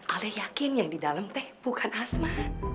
alih yakin yang di dalam teh bukan asma